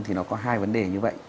thì nó có hai vấn đề như vậy